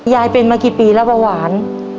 ยายเป็นมากี่ปีแล้วเบาหวาน